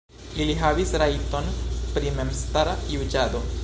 Ili havis rajton pri memstara juĝado.